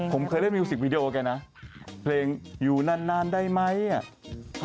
ผมเคยได้มิวสิกวีดีโอกันนะเพลงอยู่นานได้ไหม